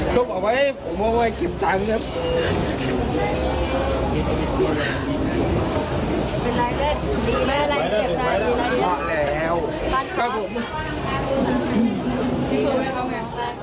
ลูกบอกว่าให้ผมมาเก็บเงินครับ